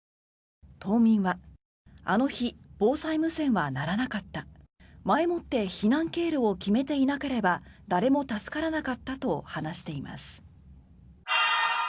島民はあの日、防災無線は鳴らなかった前もって避難経路を決めていなければ誰も助からなかったと話しています。